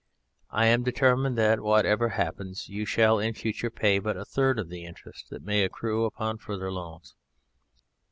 I am determined that, whatever happens, you shall in future pay but a third of the interest that may accrue upon further loans."